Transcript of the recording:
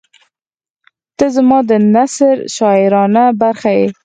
• ته زما د نثر شاعرانه برخه یې.